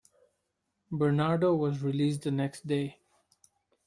Bernardo was released the next day.